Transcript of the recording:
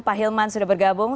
pak hilman sudah bergabung